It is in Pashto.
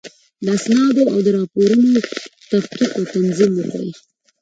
د اسنادو او راپورونو تفکیک او تنظیم وکړئ.